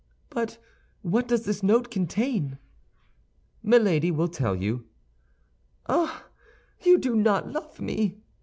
"But what does this note contain?" "Milady will tell you." "Ah, you do not love me!"